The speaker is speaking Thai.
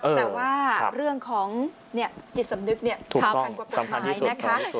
แต่ว่าเรื่องของจิตสำนึกเช้าพันกว่ากฎหมายนะคะ